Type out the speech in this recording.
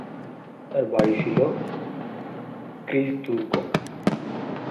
তার বাড়ি ছিল ক্রিচ দুর্গ।